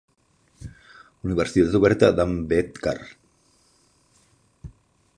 Universitat Oberta d'Ambedkar.